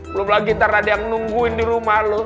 belum lagi ntar ada yang nungguin di rumah lo